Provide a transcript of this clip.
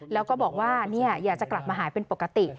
แล้วก็บอกว่าอยากจะกลับมาหายเป็นปกติ